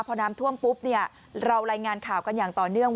พอน้ำท่วมปุ๊บเนี่ยเรารายงานข่าวกันอย่างต่อเนื่อง